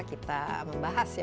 kita membahas ya